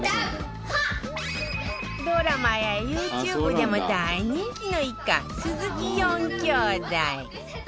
ドラマや ＹｏｕＴｕｂｅ でも大人気の一家鈴木４きょうだい